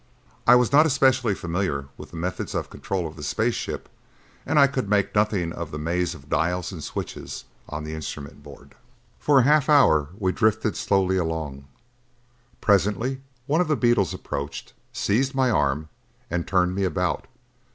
I was not especially familiar with the methods of control of space ships and I could make nothing of the maze of dials and switches on the instrument board. For half an hour we drifted slowly along. Presently one of the beetles approached, seized my arm and turned me about.